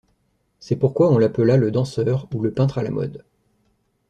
C'est pourquoi on l'appela Le Danseur ou Le Peintre à la mode.